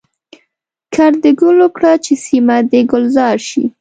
کرد د ګلو کړه چي سیمه د ګلزار شي.